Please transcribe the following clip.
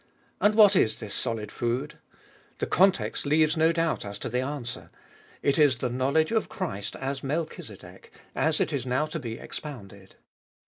And what is this solid food ? The context leaves no doubt as to the answer. It is the knowledge of Christ as Melchlzedek, as it is now to be ex pounded.